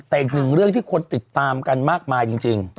แต่อีกหนึ่งเรื่องที่คนติดตามกันมากมายจริง